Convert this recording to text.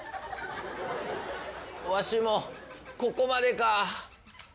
わしもここまでか。